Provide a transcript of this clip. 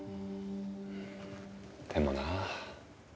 でもなあ。